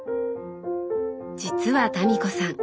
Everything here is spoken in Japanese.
実は民子さん